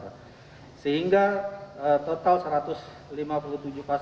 dan jawa timur dua puluh tujuh pasar tersebut sekitar sebesar lima empat miliar